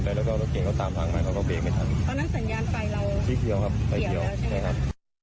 เพราะฉะนั้นสัญญาณไฟเราเกี่ยวแล้วใช่ไหม